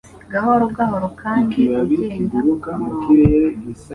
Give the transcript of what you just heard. gahoro gahoro kandi ugenda ku murongo